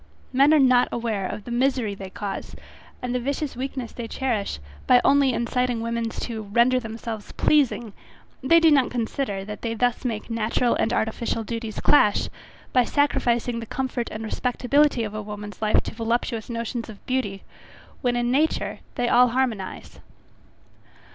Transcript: Men are not aware of the misery they cause, and the vicious weakness they cherish, by only inciting women to render themselves pleasing; they do not consider, that they thus make natural and artificial duties clash, by sacrificing the comfort and respectability of a woman's life to voluptuous notions of beauty, when in nature they all harmonize.